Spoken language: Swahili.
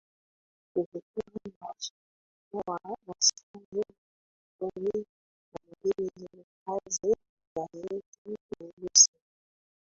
vikiwa na washirika wa wastani wa watu kumi na mbili Kazi za nyota nyeusi